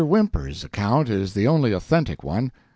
Whymper's account is the only authentic one.